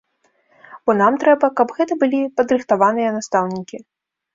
Бо нам трэба, каб гэта былі падрыхтаваныя настаўнікі.